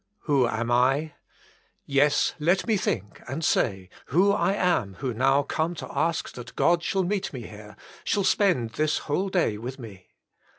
Who am I? yes, let me think and say, who, I am who now come to ask that God shall meet me here, shall spend this whole day with me?